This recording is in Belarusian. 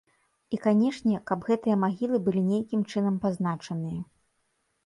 І, канешне, каб гэтыя магілы былі нейкім чынам пазначаныя.